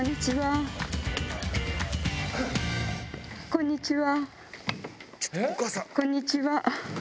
こんにちは。